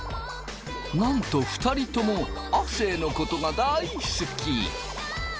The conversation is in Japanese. なんと２人とも亜生のことが大好き。